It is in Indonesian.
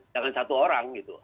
jangan satu orang gitu